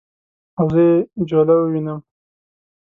او زه یې جوله ووینم